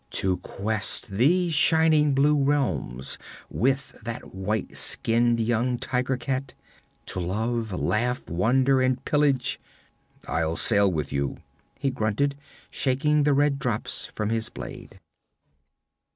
To quest these shining blue realms with that white skinned young tiger cat to love, laugh, wander and pillage 'I'll sail with you,' he grunted, shaking the red drops from his blade.